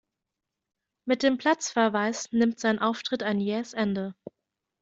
Mit dem Platzverweis nimmt sein Auftritt ein jähes Ende.